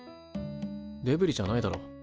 デブリじゃないだろ。